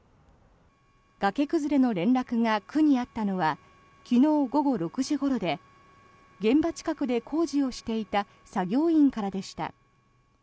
崖崩れの連絡が区にあったのは昨日午後６時ごろで現場近くで工事をしていた作業員からでした。